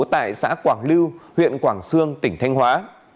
tại xã quảng lưu huyện quảng sương tỉnh thanh hóa